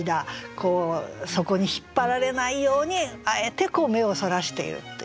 そこに引っ張られないようにあえて目を逸らしているっていうね。